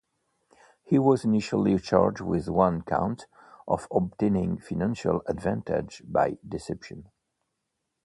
He was initially charged with one count of obtaining financial advantage by deception.